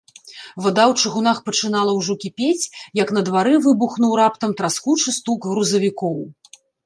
Вада ў чыгунах пачынала ўжо кіпець, як на двары выбухнуў раптам траскучы стук грузавікоў.